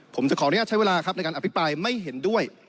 ผมจะขออนุญาตใช้เวลาครับในการอภิปรายไม่เห็นด้วย